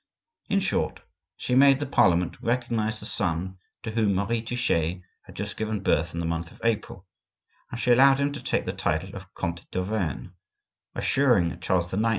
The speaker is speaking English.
In short, she made the parliament recognize the son to whom Marie Touchet had just given birth in the month of April, and she allowed him to take the title of Comte d'Auvergne, assuring Charles IX.